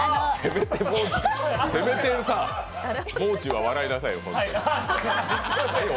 せめて、もう中は笑いなさいよ。